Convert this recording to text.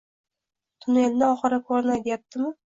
Tonelni oxiri ko'rinay deyaptimi?